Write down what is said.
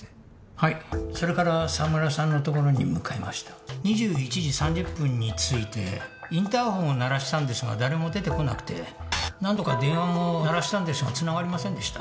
はいそれから沢村さんのところに向かいました２１時３０分に着いてインターホンを鳴らしたんですが誰も出てこなくて何度か電話も鳴らしたんですがつながりませんでした